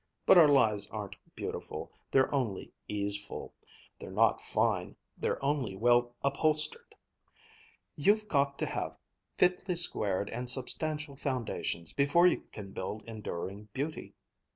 But our lives aren't beautiful, they're only easeful. They're not fine, they're only well upholstered. You've got to have fitly squared and substantial foundations before you can build enduring beauty.